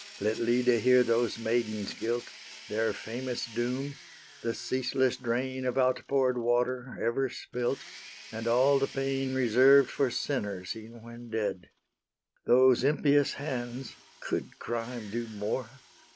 Let Lyde hear those maidens' guilt, Their famous doom, the ceaseless drain Of outpour'd water, ever spilt, And all the pain Reserved for sinners, e'en when dead: Those impious hands, (could crime do more?)